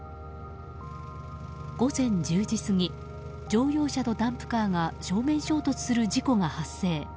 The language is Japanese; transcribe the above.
午前１０時過ぎ乗用車とダンプカーが正面衝突する事故が発生。